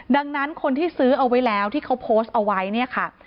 ดังนั้นคนที่ซื้อเอาไว้แล้วที่เขาโพสต์เอาไว้เนี่ยค่ะ